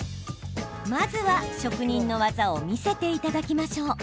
まずは、職人の技を見せていただきましょう。